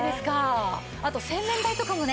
あと洗面台とかもね。